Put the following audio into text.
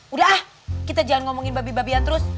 udah ah kita jangan ngomongin babi babian terus